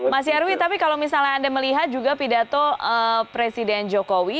mas nyarwi tapi kalau misalnya anda melihat juga pidato presiden jokowi